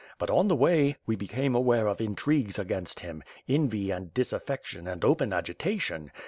But, on the way, we became aware of intrigues against him, envy and disaffection and open agitation.